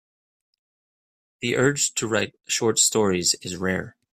The urge to write short stories is rare.